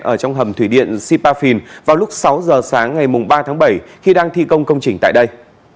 ở trong hầm thủy điện sipafin vào lúc sáu giờ sáng ngày ba tháng bảy khi đang thi công công trình tại đây